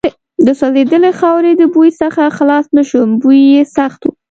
د سوځېدلې خاورې د بوی څخه خلاص نه شوم، بوی یې سخت و.